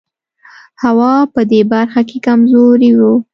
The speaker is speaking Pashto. هوا په دې برخه کې کمزوری و.